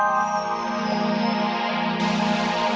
akan airi sebagai atas bangsa itu nellah